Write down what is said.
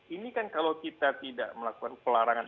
ini kan kalau kita tidak melakukan pelarangan